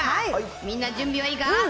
みんな、準備はいいか？